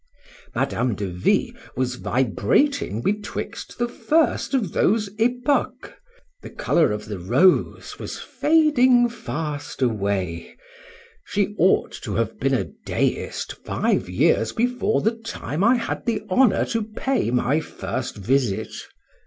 Madame de V— was vibrating betwixt the first of those epochas: the colour of the rose was fading fast away;—she ought to have been a deist five years before the time I had the honour to pay my first visit.